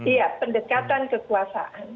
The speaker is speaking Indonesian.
iya pendekatan kekuasaan